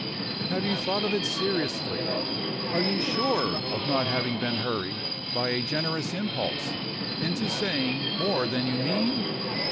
"Have you thought of it seriously? Are you sure of not having been hurried by a generous impulse into saying more than you mean?"